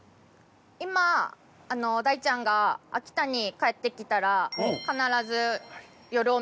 今大ちゃんが秋田に帰ってきたら必ず寄るお店